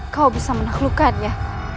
kau bisa meneklukannya